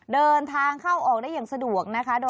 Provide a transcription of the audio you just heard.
เดินทางเข้าออกได้อย่างสะดวกนะคะ